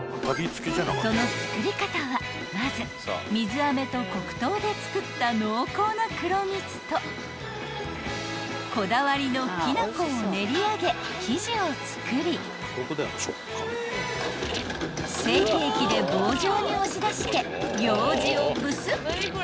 ［その作り方はまず水あめと黒糖で作った濃厚な黒蜜とこだわりのきな粉を練り上げ生地を作り成形機で棒状に押し出してようじをブスッ］